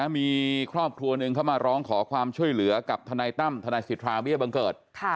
มีครอบครัวหนึ่งเข้ามาร้องขอความช่วยเหลือกับทนายตั้มทนายสิทธาเบี้ยบังเกิด